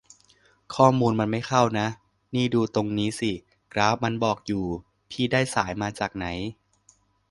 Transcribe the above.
ข้อมูลมันไม่เข้านะ นี่ดูตรงนี้สิ กราฟมันบอกอยู่ พี่ได้สายมาจากไหน